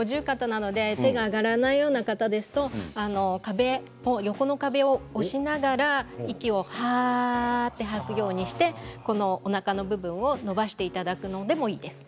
腕が上がらない方は横の壁を押しながら息をはーっと深く吐くようにしておなかの部分を伸ばしていただくようにするといいですね。